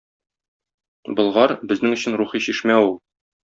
Болгар - безнең өчен рухи чишмә ул.